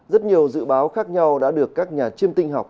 rất nhiều dự báo khác nhau đã được các nhà chiêm tinh học